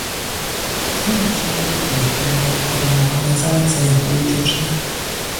W tym obszarze również będą formułowane zalecenia polityczne